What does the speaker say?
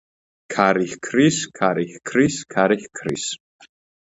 ქარი ჰქრის, ქარი ჰქრის , ქარი ჰქრის.